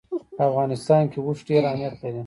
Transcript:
په افغانستان کې اوښ ډېر اهمیت لري.